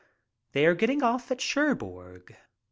They are getting off at Cherbourg.